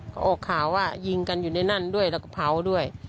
ก็ออกข่าวว่ายิงกันอยู่ในนั้นด้วยแล้วก็เผาด้วย